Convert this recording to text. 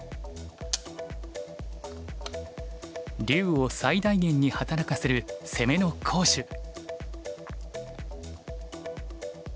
竜を最大限に働かせる攻めの好手。